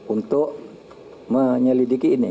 untuk menyelidiki ini